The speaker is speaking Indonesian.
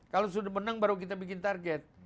kalau sudah menang baru kita bikin target